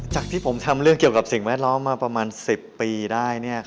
ที่ผมทำเรื่องเกี่ยวกับสิ่งแวดล้อมมาประมาณ๑๐ปีได้